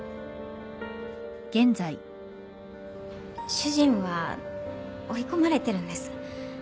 主人は追い込まれてるんです。